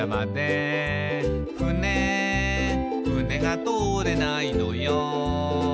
「ふねふねが通れないのよ」